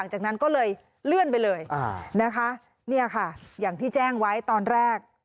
นะคะเนี่ยค่ะอย่างที่แจ้งไว้ตอนแรก